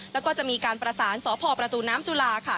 แล้วก็จะมีการประสานสพประตูน้ำจุฬาค่ะ